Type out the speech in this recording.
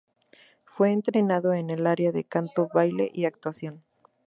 Fue entrenado en el área de canto, baile y actuación.